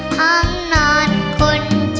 ห้องนอนคนจน